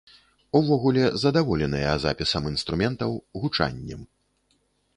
Увогуле задаволеныя запісам інструментаў, гучаннем.